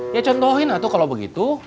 ya contohin lah tuh kalo begitu